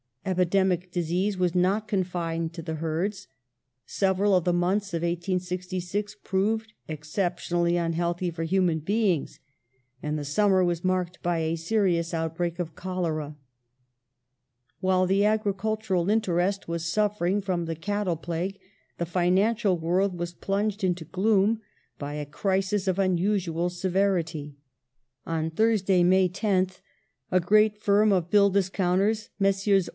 Epidemic disease was not confined to the herds. Several of the months of 1866 proved exceptionally unhealthly for human beings, and the sum mer was marked by a serious outbreak of cholera. The fin While the agricultural interest was suffering from the cattle crisis of pl^S^^' ^^^ financial world was plunged into gloom by a crisis of i866 unusual severity. On Thursday, May 10th, a great firm of bill discounters, Messrs.